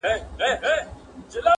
• بندولې یې د خلکو د تلو لاري.